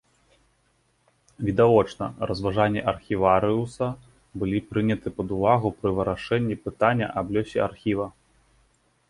Відавочна, разважанні архіварыуса былі прыняты пад увагу пры вырашэнні пытання аб лёсе архіва.